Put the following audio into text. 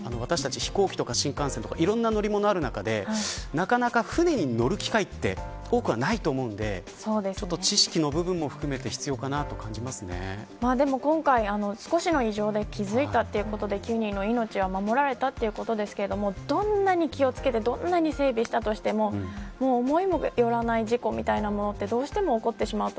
飛行機や新幹線いろんな乗り物がある中でなかなか船に乗る機会は多くはないと思うので知識の部分も含めて今回、少しの異常で気付いたということで９人の命は守られたということですけどどんなに気を付けてどんなに整備をしたとしても思いもよらない事故みたいなものは、どうしても起こってしまいます。